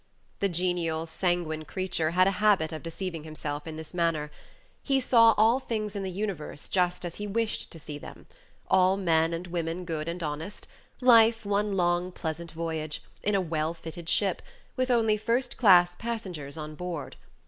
The genial, sanguine creature, had a habit of deceiving himself in this manner. He saw all things in the universe just as he wished to see them all men and women good and honest; life one long, pleasant voyage, in a well fitted ship, with only first class passengers on board.